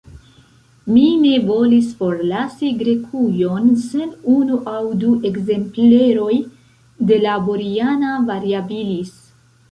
Mi ne volis forlasi Grekujon sen unu aŭ du ekzempleroj de la _Boriana variabilis_.